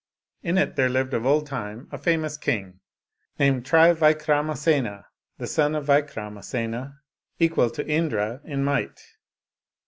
In it there lived of old time a famous king, named Trivikramasena, the son of Vikramasena, equal to Indra in might.